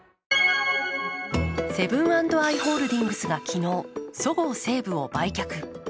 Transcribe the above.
セブン＆アイ・ホールディングスが昨日、そごう・西武を売却。